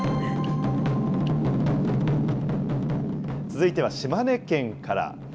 続いては島根県から。